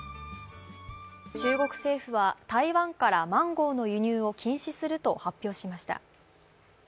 中国政府は台湾からマンゴーの輸入を禁止すると発表しました。